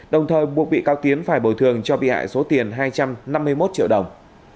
đồng thời buộc bị cáo tiến phải bồi thường cho bị hại số tiền hai trăm năm mươi một triệu đồng